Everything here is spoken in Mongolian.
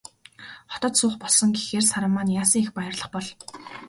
Хотод суух болсон гэхээр Саран маань яасан их баярлах бол.